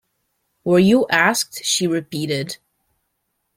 ‘Were you asked?’ she repeated.